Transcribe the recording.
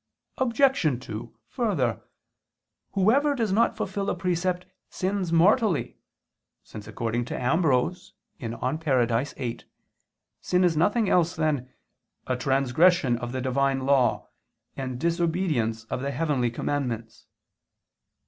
Obj. 2: Further, whoever does not fulfil a precept sins mortally, since according to Ambrose (De Parad. viii) sin is nothing else than "a transgression of the Divine Law, and disobedience of the heavenly commandments."